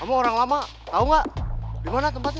kamu orang lama tahu nggak di mana tempatnya